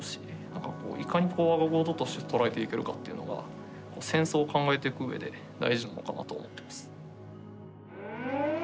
なんかこういかに我が事として捉えていけるかというのが戦争を考えていくうえで大事なのかなと思ってます。